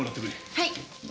はい。